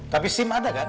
tapi sim ada gan